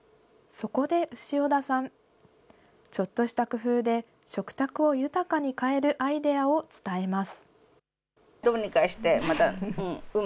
そこで潮田さん、ちょっとした工夫で、食卓を豊かに変えるアイデアを伝えます。